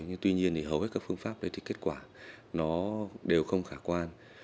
nhưng tuy nhiên thì hầu hết các phương pháp đấy thì kết quả nó đều không khả quan